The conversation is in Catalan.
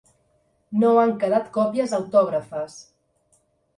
No han quedat còpies autògrafes.